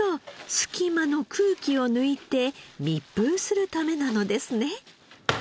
隙間の空気を抜いて密封するためなのですね。